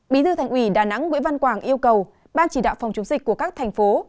bí thư thành ủy đà nẵng nguyễn văn quảng yêu cầu ban chỉ đạo phòng chống dịch của các thành phố